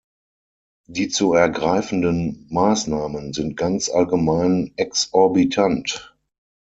Die zu ergreifenden Maßnahmen sind ganz allgemein exorbitant.